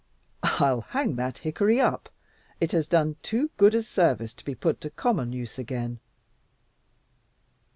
"I'll hang that hickory up. It has done too good service to be put to common use again.